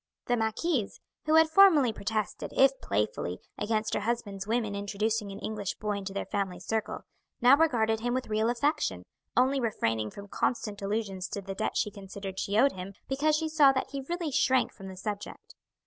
The marquise, who had formerly protested, if playfully, against her husband's whim in introducing an English boy into their family circle, now regarded him with real affection, only refraining from constant allusions to the debt she considered she owed him because she saw that he really shrank from the subject.